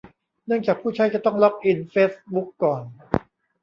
เนื่องจากผู้ใช้จะต้องล็อกอินเฟซบุ๊กก่อน